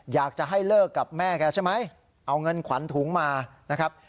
อยากจะให้เลิกกับแม่แกใช่ไหมเอาเงินขวัญถุงมานะครับ